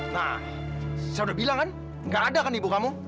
nah saya udah bilang kan nggak ada kan ibu kamu